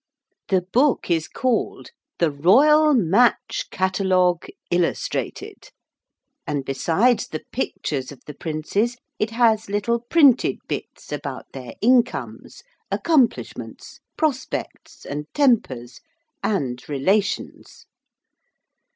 The book is called the 'Royal Match Catalogue Illustrated,' and besides the pictures of the princes it has little printed bits about their incomes, accomplishments, prospects, and tempers, and relations.